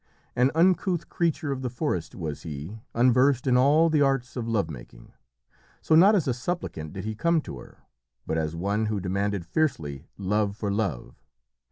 An uncouth creature of the forest was he, unversed in all the arts of love making. So not as a supplicant did he come to her, but as one who demanded fiercely love for love.